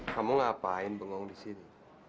kamu ngapain bengong di sini